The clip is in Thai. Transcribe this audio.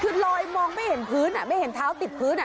คือลอยมองไม่เห็นพื้นไม่เห็นเท้าติดพื้น